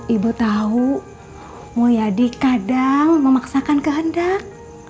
ibu tahu mulyadi kadang memaksakan kehendak